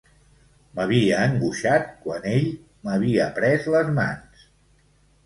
M'havia angoixat quan ell m'havia pres les mans.